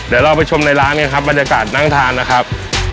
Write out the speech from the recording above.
เดี๋ยวเราไปชมในร้านเนี่ยครับบรรยากาศนั่งทานนะครับ